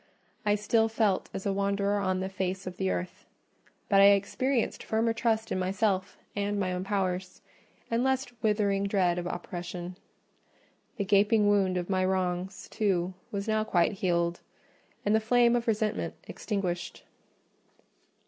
I still felt as a wanderer on the face of the earth; but I experienced firmer trust in myself and my own powers, and less withering dread of oppression. The gaping wound of my wrongs, too, was now quite healed; and the flame of resentment extinguished.